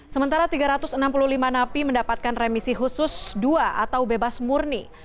sementara tiga ratus enam puluh lima napi mendapatkan remisi khusus dua atau bebas murni